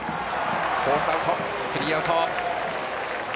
フォースアウト、スリーアウト。